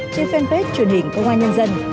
trên fanpage truyền hình công an nhân dân